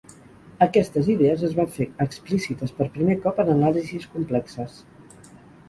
Aquestes idees es van fer explícites per primer cop en anàlisis complexes.